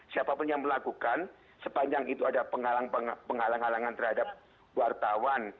siapapun yang melakukan sepanjang itu ada penghalang halangan terhadap wartawan